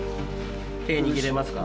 手握れますか？